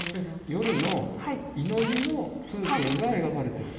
夜の祈りの風景が描かれてると？